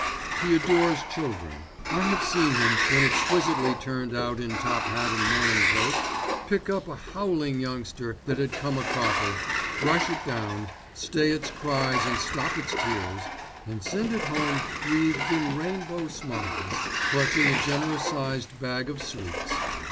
He adores children. I have seen him, when exquisitely turned out in top hat and morning coat, pick up a howling youngster that had come a cropper, brush it down, stay its cries and stop its tears, and send it home wreathed in rainbow smiles, clutching a generous sized bag of sweets.